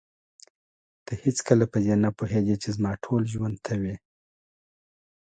ته هېڅکله په دې نه پوهېدې چې زما ټول ژوند ته وې.